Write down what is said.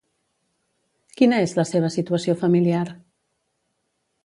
Quina és la seva situació familiar?